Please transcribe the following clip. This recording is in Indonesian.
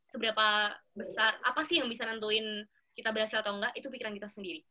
seberapa besar apa sih yang bisa nentuin kita berhasil atau enggak itu pikiran kita sendiri